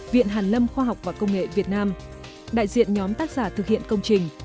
viện hàn lâm khoa học và công nghệ việt nam đại diện nhóm tác giả thực hiện công trình